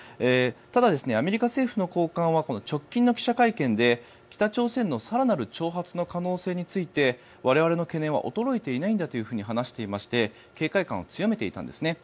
ただ、アメリカ政府の高官は直近の記者会見で北朝鮮の更なる挑発の可能性について我々の懸念は衰えていないんだと話していまして警戒感を強めていたんですね。